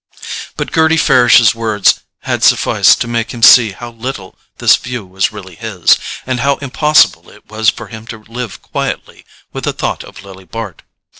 But Gerty Farish's words had sufficed to make him see how little this view was really his, and how impossible it was for him to live quietly with the thought of Lily Bart.